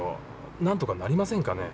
なんとかなりませんかね。